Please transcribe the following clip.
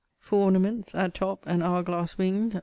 For ornaments: at top, an hour glass, winged.